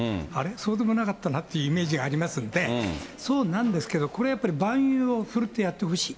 そうでもなかったなっていうイメージがありますんで、そうなんですけれども、これ、蛮勇を振るってやってほしい。